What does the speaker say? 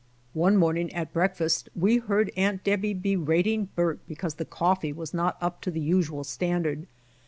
One morning at breakfast we^ heard Aunt Debby berating Bert because the coffee was not up to the usual standard.